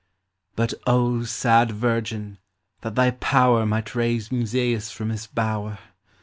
But, O sad Virgin, that thy power Might raise Musseus from his bower